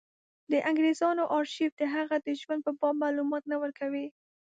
د انګرېزانو ارشیف د هغه د ژوند په باب معلومات نه ورکوي.